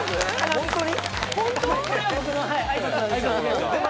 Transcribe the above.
本当に！？